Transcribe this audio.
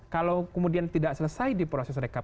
kalau kemudian tidak selesai di proses rekap